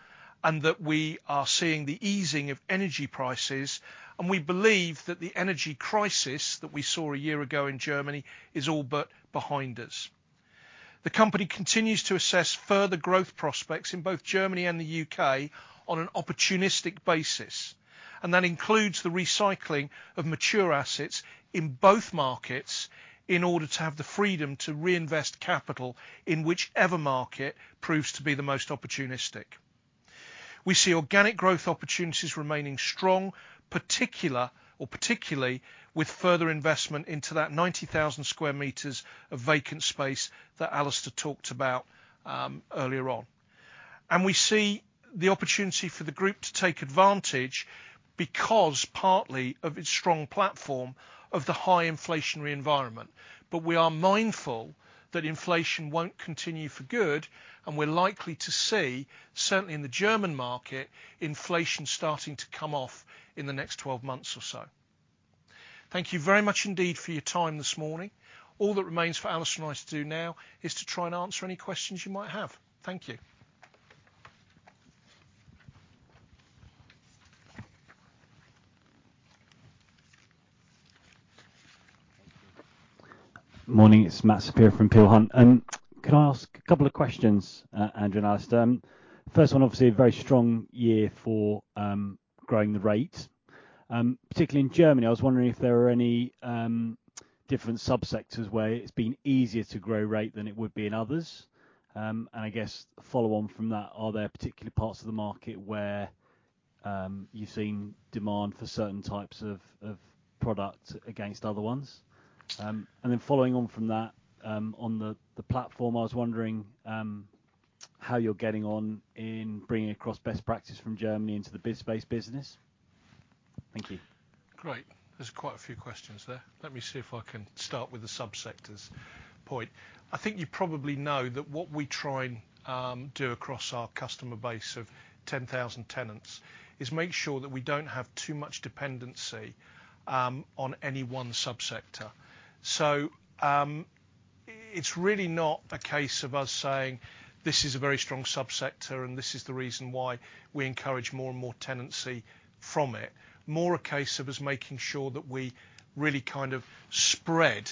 and that we are seeing the easing of energy prices, and we believe that the energy crisis that we saw a year ago in Germany is all but behind us. The company continues to assess further growth prospects in both Germany and the U.K. on an opportunistic basis, and that includes the recycling of mature assets in both markets in order to have the freedom to reinvest capital in whichever market proves to be the most opportunistic. We see organic growth opportunities remaining strong, particularly with further investment into that 90,000 sq m of vacant space that Alistair talked about earlier on. We see the opportunity for the Group to take advantage, because partly of its strong platform of the high inflationary environment. We are mindful that inflation won't continue for good, and we're likely to see, certainly in the German market, inflation starting to come off in the next 12 months or so. Thank you very much indeed for your time this morning. All that remains for Alistair and I to do now is to try and answer any questions you might have. Thank you. Morning, it's Matthew Saperia from Peel Hunt. Can I ask a couple of questions, Andrew and Alistair? First one, obviously a very strong year for growing the rate, particularly in Germany. I was wondering if there are any different sub-sectors where it's been easier to grow rate than it would be in others? I guess follow on from that, are there particular parts of the market where you've seen demand for certain types of product against other ones? Then following on from that, on the platform, I was wondering, how you're getting on in bringing across best practice from Germany into the BizSpace business. Thank you. Great. There's quite a few questions there. Let me see if I can start with the sub-sectors point. I think you probably know that what we try and do across our customer base of 10,000 tenants, is make sure that we don't have too much dependency on any one sub-sector. It's really not a case of us saying, "This is a very strong sub-sector, and this is the reason why we encourage more and more tenancy from it." More a case of us making sure that we really kind of spread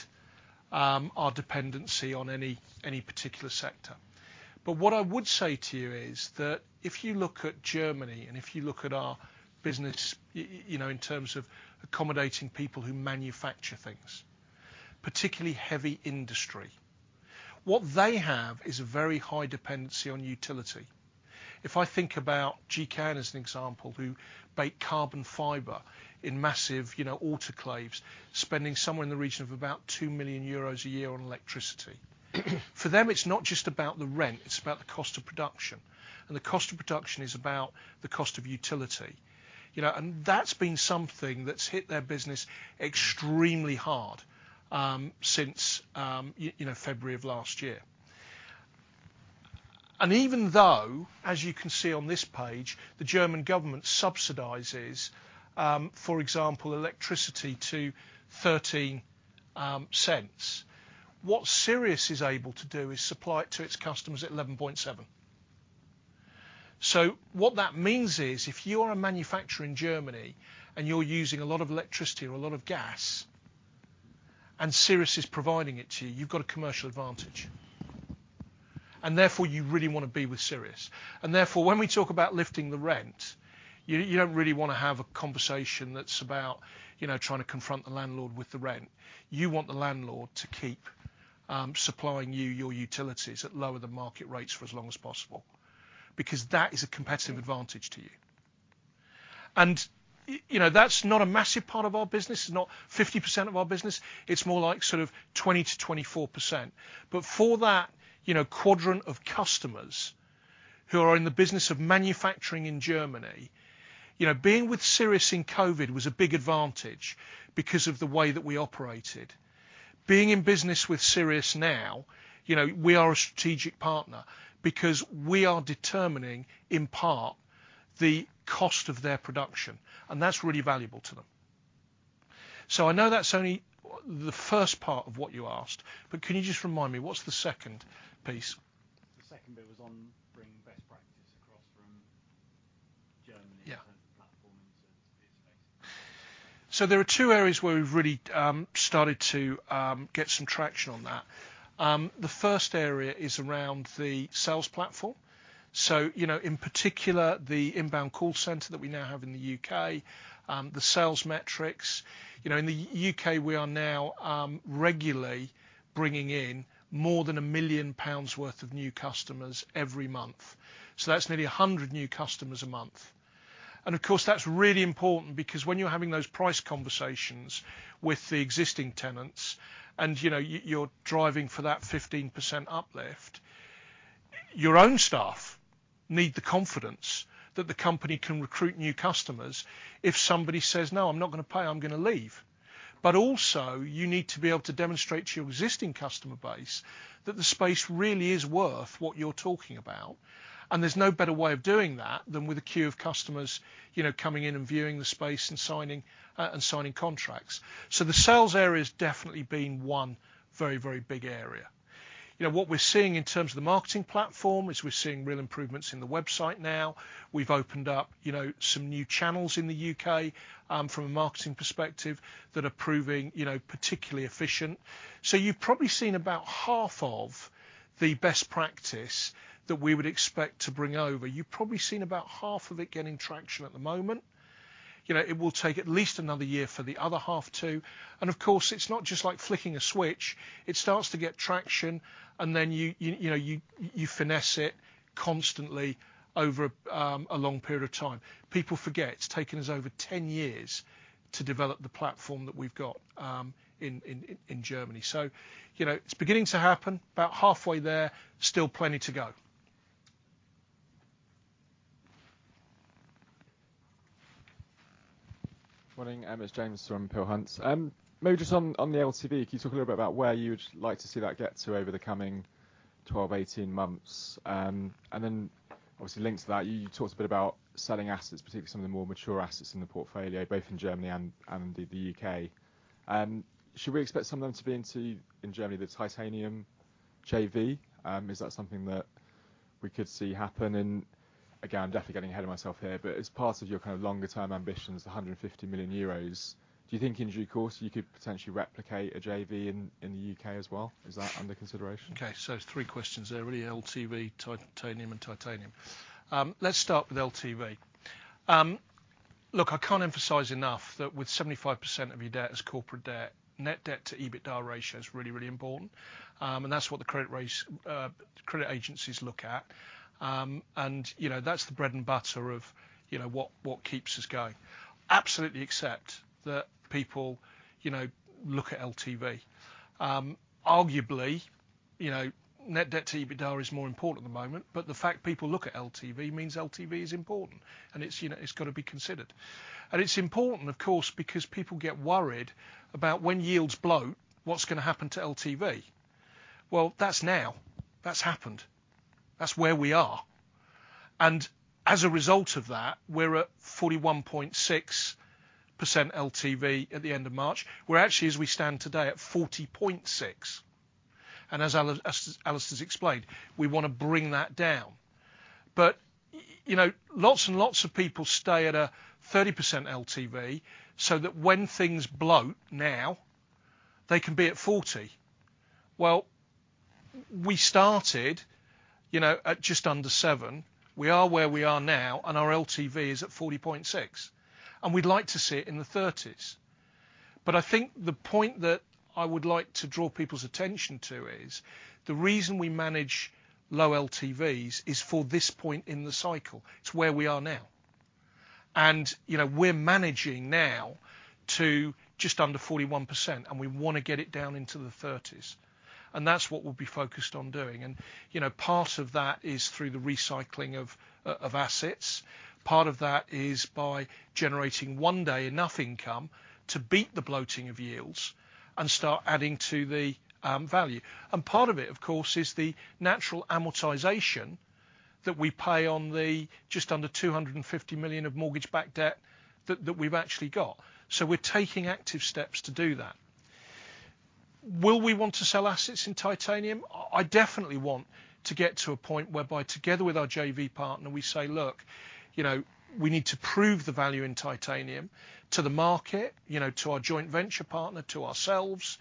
our dependency on any particular sector. What I would say to you is that if you look at Germany, and if you look at our business, you know, in terms of accommodating people who manufacture things, particularly heavy industry, what they have is a very high dependency on utility. If I think about GKN, as an example, who bake carbon fiber in massive, you know, autoclaves, spending somewhere in the region of about 2 million euros a year on electricity. For them, it's not just about the rent, it's about the cost of production, and the cost of production is about the cost of utility. You know, that's been something that's hit their business extremely hard since you know February of last year. Even though, as you can see on this page, the German government subsidizes, for example, electricity to 0.13. What Sirius is able to do is supply it to its customers at 0.117. What that means is, if you are a manufacturer in Germany, and you're using a lot of electricity or a lot of gas, and Sirius is providing it to you've got a commercial advantage, and therefore you really want to be with Sirius. Therefore, when we talk about lifting the rent, you don't really want to have a conversation that's about, you know, trying to confront the landlord with the rent. You want the landlord to keep supplying you your utilities at lower than market rates for as long as possible, because that is a competitive advantage to you. You know, that's not a massive part of our business, it's not 50% of our business, it's more like sort of 20%-24%. For that, you know, quadrant of customers who are in the business of manufacturing in Germany, you know, being with Sirius in COVID was a big advantage because of the way that we operated. Being in business with Sirius now, you know, we are a strategic partner because we are determining, in part, the cost of their production, and that's really valuable to them. I know that's only the first part of what you asked, but can you just remind me, what's the second piece? The second bit was on bringing best practice across from Germany. Yeah. In terms of platforms and space. There are two areas where we've really started to get some traction on that. The first area is around the sales platform. You know, in particular, the inbound call center that we now have in the U.K., the sales metrics. You know, in the U.K., we are now regularly bringing in more than 1 million pounds worth of new customers every month. That's nearly 100 new customers a month. Of course, that's really important because when you're having those price conversations with the existing tenants, and, you know, you're driving for that 15% uplift, your own staff need the confidence that the company can recruit new customers if somebody says, "No, I'm not going to pay, I'm going to leave." Also, you need to be able to demonstrate to your existing customer base that the space really is worth what you're talking about, and there's no better way of doing that than with a queue of customers, you know, coming in and viewing the space and signing and signing contracts. The sales area has definitely been one very, very big area. You know, what we're seeing in terms of the marketing platform, is we're seeing real improvements in the website now. We've opened up, you know, some new channels in the U.K., from a marketing perspective, that are proving, you know, particularly efficient. You've probably seen about half of the best practice that we would expect to bring over. You've probably seen about half of it gaining traction at the moment. You know, it will take at least another year for the other half, too. Of course, it's not just like flicking a switch. It starts to get traction, and then you know, you finesse it constantly over a long period of time. People forget, it's taken us over 10 years to develop the platform that we've got in Germany. You know, it's beginning to happen, about halfway there, still plenty to go. Morning, it's James from Peel Hunt. Maybe just on the LTV, can you talk a little bit about where you'd like to see that get to over the 12-18 months? Obviously linked to that, you talked a bit about selling assets, particularly some of the more mature assets in the portfolio, both in Germany and the U.K. Should we expect some of them to be in Germany, the Titanium JV? Is that something that we could see happen? Again, I'm definitely getting ahead of myself here, as part of your kind of longer term ambitions, 150 million euros, do you think in due course you could potentially replicate a JV in the U.K. as well? Is that under consideration? Three questions there, really. LTV, Titanium, and Titanium. Let's start with LTV. Look, I can't emphasize enough that with 75% of your debt as corporate debt, net debt to EBITDA ratio is really, really important. And that's what the credit agencies look at. And, you know, that's the bread and butter of, you know, what keeps us going. Absolutely accept that people, you know, look at LTV. Arguably, you know, net debt to EBITDA is more important at the moment, but the fact people look at LTV means LTV is important, and it's, you know, it's got to be considered. It's important, of course, because people get worried about when yields blow, what's going to happen to LTV? Well, that's now. That's happened. That's where we are. As a result of that, we're at 41.6% LTV at the end of March. We're actually, as we stand today, at 40.6, and as Alistair has explained, we want to bring that down. You know, lots and lots of people stay at a 30% LTV, so that when things blow, now, they can be at 40. Well, we started, you know, at just under seven. We are where we are now, and our LTV is at 40.6, and we'd like to see it in the 30s. I think the point that I would like to draw people's attention to is, the reason we manage low LTVs is for this point in the cycle. It's where we are now. You know, we're managing now to just under 41%, and we want to get it down into the 30s. That's what we'll be focused on doing. You know, part of that is through the recycling of assets. Part of that is by generating one day enough income to beat the bloating of yields and start adding to the value. Part of it, of course, is the natural amortization that we pay on the just under 250 million of mortgage-backed debt that we've actually got. We're taking active steps to do that. Will we want to sell assets in Titanium? I definitely want to get to a point whereby together with our JV partner, we say: Look, you know, we need to prove the value in Titanium to the market, you know, to our joint venture partner, to ourselves,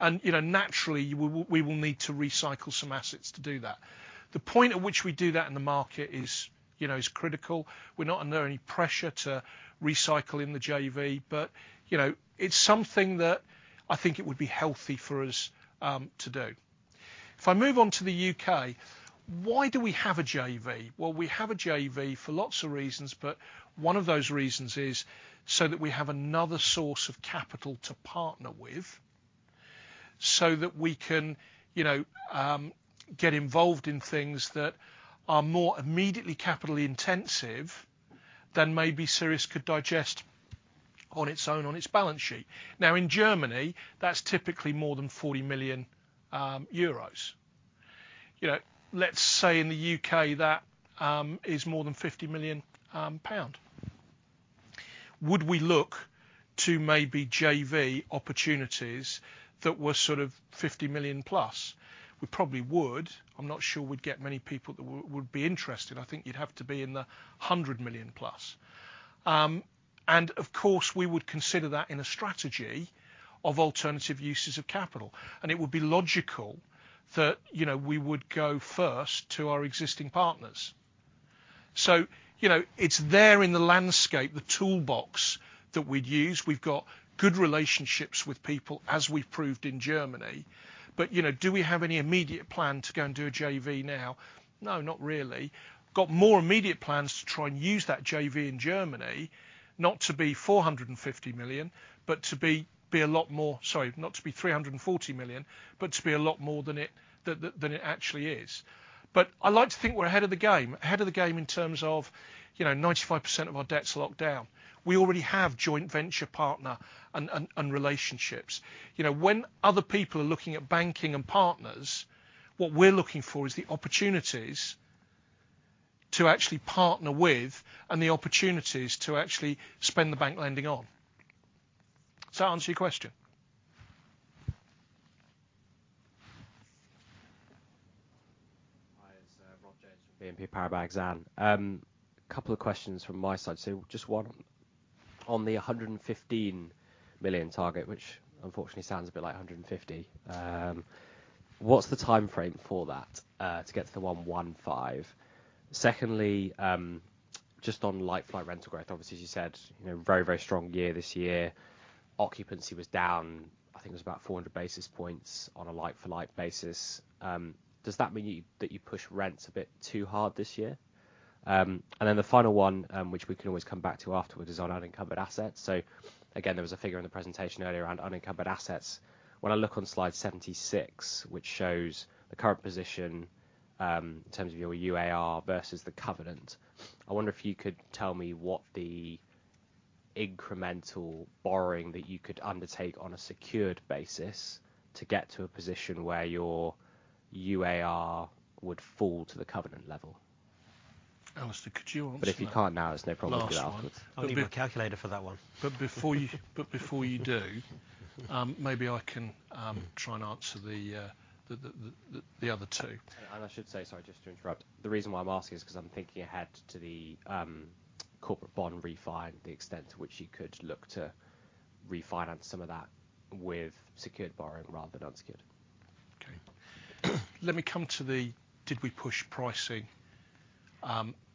and, you know, naturally, we will need to recycle some assets to do that. The point at which we do that in the market is, you know, is critical. We're not under any pressure to recycle in the JV, but, you know, it's something that I think it would be healthy for us to do. If I move on to the U.K., why do we have a JV? We have a JV for lots of reasons, but one of those reasons is so that we have another source of capital to partner with, so that we can, you know, get involved in things that are more immediately capitally intensive than maybe Sirius could digest on its own, on its balance sheet. In Germany, that's typically more than 40 million euros. You know, let's say in the U.K., that is more than 50 million pound. Would we look to maybe JV opportunities that were sort of 50+ million? We probably would. I'm not sure we'd get many people that would be interested. I think you'd have to be in the 100+ million. Of course, we would consider that in a strategy of alternative uses of capital, and it would be logical that, you know, we would go first to our existing partners. You know, it's there in the landscape, the toolbox that we'd use. We've got good relationships with people, as we've proved in Germany. You know, do we have any immediate plan to go and do a JV now? No, not really. Got more immediate plans to try and use that JV in Germany, not to be 450 million, but to be a lot more... Sorry, not to be 340 million, but to be a lot more than it actually is. I like to think we're ahead of the game. Ahead of the game in terms of, you know, 95% of our debt's locked down. We already have joint venture partner and relationships. You know, when other people are looking at banking and partners, what we're looking for is the opportunities to actually partner with, and the opportunities to actually spend the bank lending on. Does that answer your question? Hi, it's Rob Jones from BNP Paribas Exane. A couple of questions from my side. Just one, on the 115 million target, which unfortunately sounds a bit like 150, what's the timeframe for that to get to the 115? Secondly, just on like-for-like rental growth, obviously, as you said, you know, very, very strong year this year. Occupancy was down, I think it was about 400 basis points on a like-for-like basis. Does that mean that you pushed rents a bit too hard this year? The final one, which we can always come back to afterwards, is on unencumbered assets. Again, there was a figure in the presentation earlier around unencumbered assets. When I look on slide 76, which shows the current position, in terms of your LTV versus the covenant, I wonder if you could tell me what incremental borrowing that you could undertake on a secured basis to get to a position where your LTV would fall to the covenant level? Alistair, could you answer that? If you can't now, it's no problem with that. Last one. I'll need my calculator for that one. Before you do, maybe I can try and answer the other two. I should say, sorry, just to interrupt. The reason why I'm asking is 'cause I'm thinking ahead to the corporate bond refi, the extent to which you could look to refinance some of that with secured borrowing rather than unsecured. Okay. Let me come to the, did we push pricing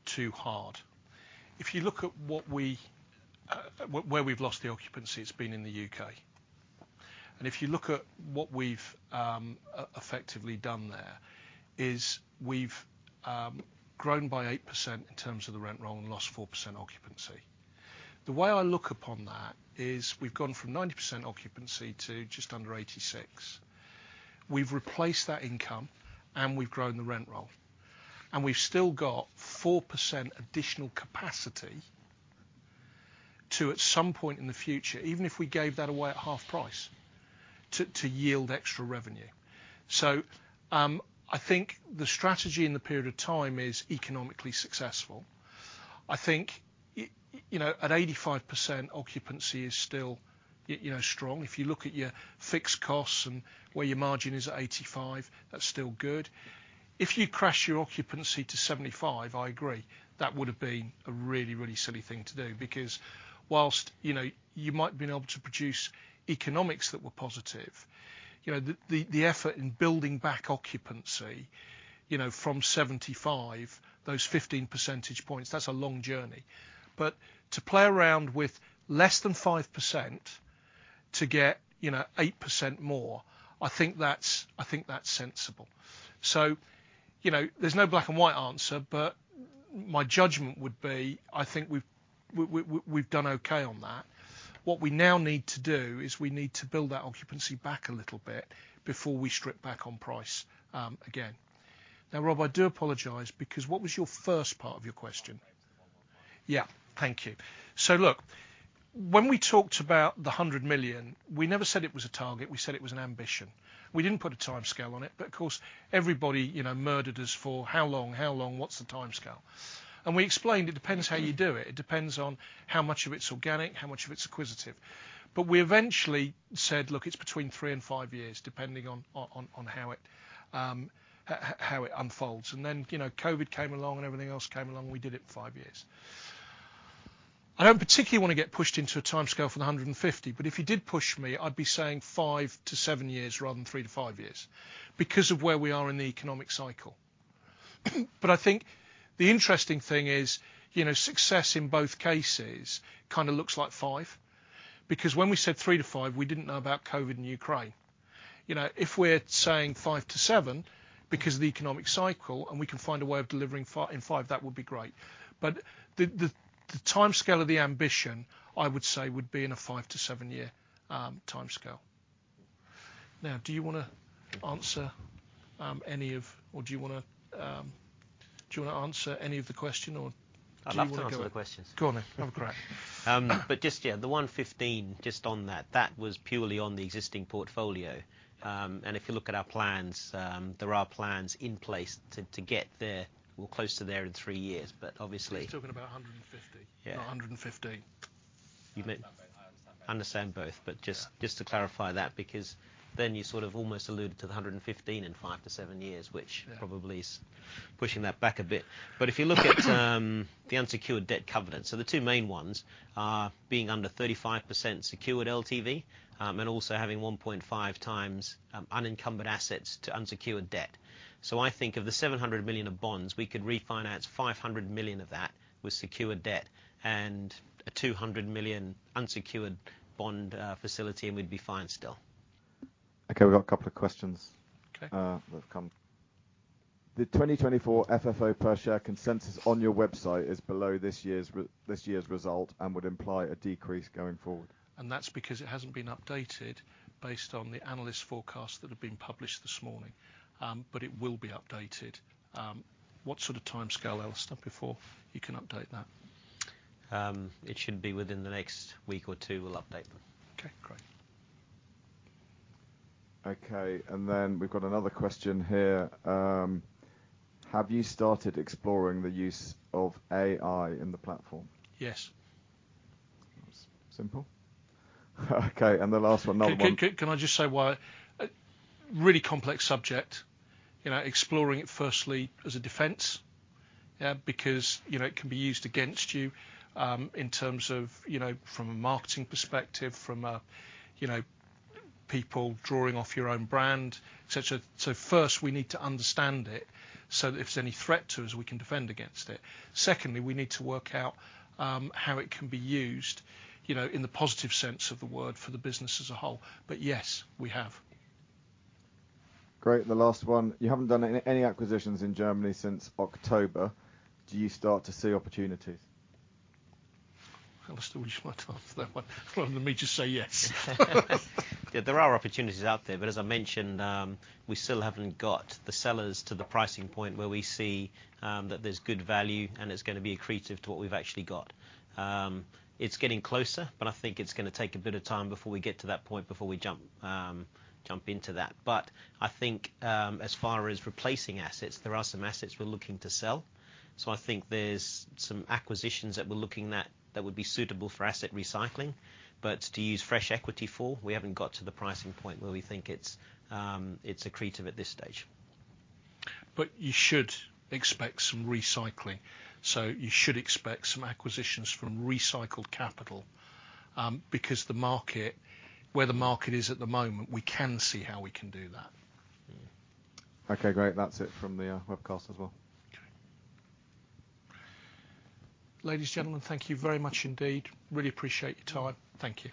too hard? If you look at what we, where we've lost the occupancy, it's been in the U.K. If you look at what we've effectively done there, is we've grown by 8% in terms of the rent roll and lost 4% occupancy. The way I look upon that is we've gone from 90% occupancy to just under 86%. We've replaced that income, and we've grown the rent roll, and we've still got 4% additional capacity to, at some point in the future, even if we gave that away at half price, to yield extra revenue. I think the strategy in the period of time is economically successful. I think, you know, at 85% occupancy is still you know, strong. If you look at your fixed costs and where your margin is at 85, that's still good. If you crash your occupancy to 75, I agree, that would have been a really, really silly thing to do. Whilst, you know, you might have been able to produce economics that were positive, you know, the effort in building back occupancy, you know, from 75, those 15 percentage points, that's a long journey. To play around with less than 5% to get, you know, 8% more, I think that's, I think that's sensible. You know, there's no black-and-white answer, but my judgment would be, I think we've done okay on that. What we now need to do, is we need to build that occupancy back a little bit before we strip back on price again. Now, Rob, I do apologize, because what was your first part of your question? Thank you. Look, when we talked about 100 million, we never said it was a target. We said it was an ambition. We didn't put a timescale on it, of course, everybody, you know, murdered us for, "How long? How long? What's the timescale?" We explained, it depends how you do it. It depends on how much of it's organic, how much of it's acquisitive. We eventually said, "Look, it's between three and five years, depending on how it unfolds." Then, you know, COVID came along, and everything else came along, and we did it in five years. I don't particularly want to get pushed into a timescale for the 150, but if you did push me, I'd be saying five to seven years, rather than three to five years, because of where we are in the economic cycle. I think the interesting thing is, you know, success in both cases kind of looks like five, because when we said 3-5, we didn't know about COVID and Ukraine. You know, if we're saying five to seven because of the economic cycle, and we can find a way of delivering in five, that would be great. The timescale of the ambition, I would say, would be in a five to seven-year timescale. Now, do you want to answer any of the question? I'd love to answer the questions. Go on, then. Have a go. Just, yeah, the 115, just on that was purely on the existing portfolio. If you look at our plans, there are plans in place to get there or close to there in three years, obviously. We're talking about 150- Yeah. not 150. You may- I understand both. Understand both, but. Yeah... just to clarify that, because then you sort of almost alluded to the 115 in five to seven years. Yeah probably is pushing that back a bit. If you look at the unsecured debt covenant, the two main ones are being under 35% secured LTV, and also having 1.5 times unencumbered assets to unsecured debt. I think of the 700 million of bonds, we could refinance 500 million of that with secured debt and a 200 million unsecured bond facility, and we'd be fine still. Okay, we've got a couple of questions. Okay... that have come. "The 2024 FFO per share consensus on your website is below this year's result and would imply a decrease going forward. That's because it hasn't been updated based on the analyst forecasts that have been published this morning. It will be updated. What sort of timescale, Alistair, before you can update that? It should be within the next week or two, we'll update them. Okay, great. Okay, we've got another question here. "Have you started exploring the use of AI in the platform? Yes. Simple. Okay, the last one. Can I just say why? A really complex subject, you know, exploring it firstly as a defense, because, you know, it can be used against you, in terms of, you know, from a marketing perspective, from a, you know, people drawing off your own brand, etc. First, we need to understand it, so that if there's any threat to us, we can defend against it. Secondly, we need to work out, how it can be used, you know, in the positive sense of the word, for the business as a whole. Yes, we have. Great. The last one: "You haven't done any acquisitions in Germany since October. Do you start to see opportunities? Alistair, would you like to answer that one? Well, let me just say yes. There are opportunities out there, but as I mentioned, we still haven't got the sellers to the pricing point where we see that there's good value, and it's gonna be accretive to what we've actually got. It's getting closer, but I think it's gonna take a bit of time before we get to that point, before we jump into that. I think, as far as replacing assets, there are some assets we're looking to sell. I think there's some acquisitions that we're looking at, that would be suitable for asset recycling. To use fresh equity for, we haven't got to the pricing point where we think it's accretive at this stage. You should expect some recycling, so you should expect some acquisitions from recycled capital, because the market, where the market is at the moment, we can see how we can do that. Okay, great. That's it from the webcast as well. Okay. Ladies and gentlemen, thank you very much indeed. Really appreciate your time. Thank you.